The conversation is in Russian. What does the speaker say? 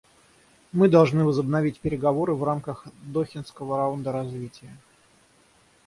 Мы должны возобновить переговоры в рамках Дохинского раунда развития.